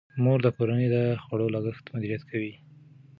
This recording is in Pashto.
مور د کورنۍ د خوړو لګښت مدیریت کوي.